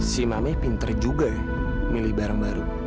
si mami pinter juga ya milih barang baru